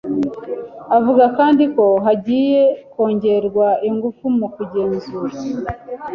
avuga kandi ko hagiye kongerwa ingufu mu kugenzura